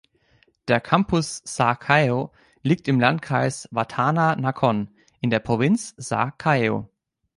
Der Campus Sa Kaeo liegt im Landkreis Watthana Nakhon in der Provinz Sa Kaeo.